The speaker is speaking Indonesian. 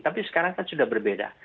tapi sekarang kan sudah berbeda